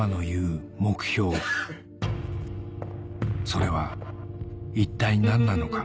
それは一体何なのか？